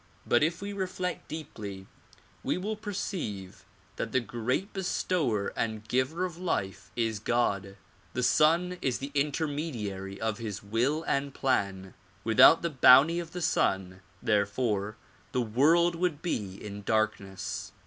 But if we reflect deeply we will perceive that the great bestower and giver of life is God ; the sun is the inter mediary of his will and plan. Without the bounty of the sun therefore the world would be in darkness.